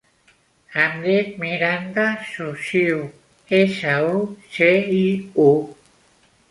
Em dic Miranda Suciu: essa, u, ce, i, u.